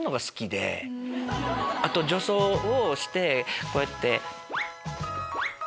あと女装をしてこうやって。